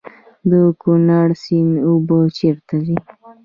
د کونړ سیند اوبه چیرته ځي؟